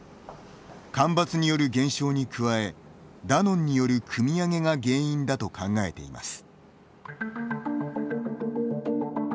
干ばつによる減少に加えダノンによるくみ上げが原因だと考えています。